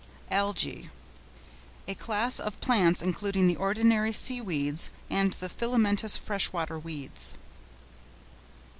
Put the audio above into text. ALGÆ.—A class of plants including the ordinary sea weeds and the filamentous fresh water weeds.